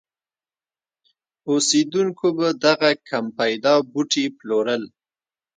اوسېدونکو به دغه کم پیدا بوټي پلورل.